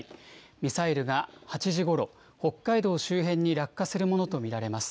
ミサイルが８時ごろ、北海道周辺に落下するものと見られます。